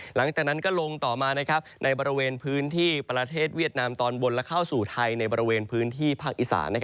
หลังจากนั้นก็ลงต่อมาในบริเวณพื้นที่ประเทศเวียดนามตอนบนและเข้าสู่ไทยในบริเวณพื้นที่ภาคอีสาน